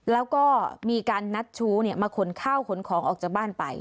แล้วก็มีการนัดชู้มาขนข้าวขนของออกจากบ้านไป